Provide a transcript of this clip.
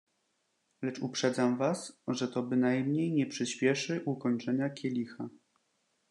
"Lecz uprzedzam was, że to bynajmniej nie przyśpieszy ukończenia kielicha."